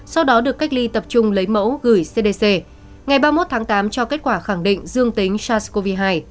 sau đó được cách ly tập trung lấy mẫu gửi cdc ngày ba mươi một tháng tám cho kết quả khẳng định dương tính sars cov hai